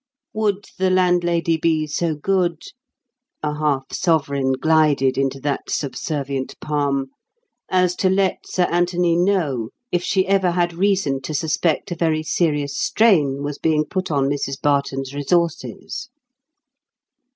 Would the landlady be so good—a half sovereign glided into that subservient palm—as to let Sir Anthony know if she ever had reason to suspect a very serious strain was being put on Mrs Barton's resources?